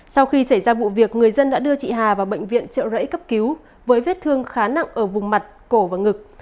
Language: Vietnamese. sau khi xảy ra vụ việc người dân đã đưa chị hà vào bệnh viện trợ rẫy cấp cứu với vết thương khá nặng ở vùng mặt cổ và ngực